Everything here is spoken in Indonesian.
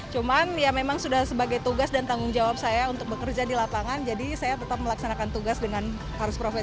cuman ya memang sudah sebagai tugas dan tanggung jawab saya untuk bekerja di lapangan jadi saya tetap melaksanakan tugas dengan harus profit